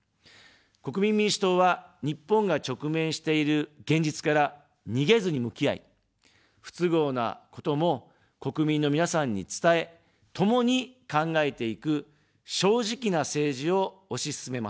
国民民主党は、日本が直面している現実から逃げずに向き合い、不都合なことも国民の皆さんに伝え、ともに考えていく、正直な政治を推し進めます。